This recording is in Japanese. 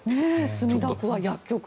墨田区は薬局で。